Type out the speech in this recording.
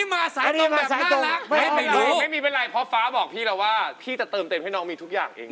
มาน่ารักไหมไม่รู้ไม่มีเป็นไรเพราะฟ้าบอกพี่แล้วว่าพี่จะเติมเต็มให้น้องมีทุกอย่างเอง